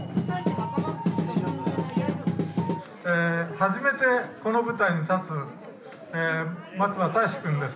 初めてこの舞台に立つ松場たいしくんです。